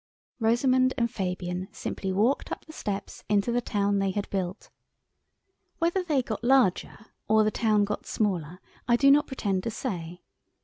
Rosamund and Fabian simply walked up the steps into the town they had built. Whether they got larger or the town got smaller, I do not pretend to say.